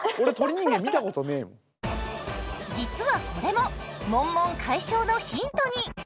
実はこれもモンモン解消のヒントに！